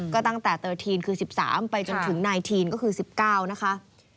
ก็ตั้งแต่๑๓คือ๑๓ไปจนถึง๑๙ก็คือ๑๙นะคะ